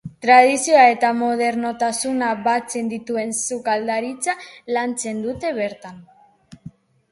Tradizioa eta modernotasuna batzen dituen sukaldaritza lantzen dute bertan.